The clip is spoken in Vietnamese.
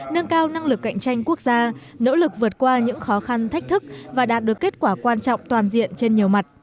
nâng cao năng lực cạnh tranh quốc gia nỗ lực vượt qua những khó khăn thách thức và đạt được kết quả quan trọng toàn diện trên nhiều mặt